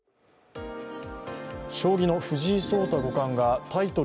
将棋の藤井聡太五冠がタイトル